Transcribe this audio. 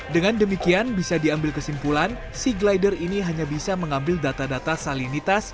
dengan demikian bisa diambil kesimpulan sea glider ini hanya bisa mengambil data data salinitas suhu air jumlah plankton dan lain sebagainya